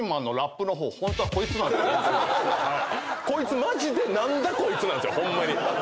こいつマジで「何だ？こいつ」なんですよホンマに。